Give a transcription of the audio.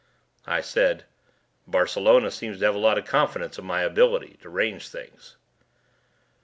I said, "Barcelona seems to have a lot of confidence in my ability to arrange things."